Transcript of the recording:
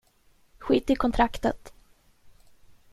Skit i kontraktet!